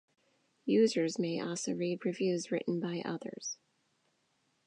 Users may also read reviews written by others.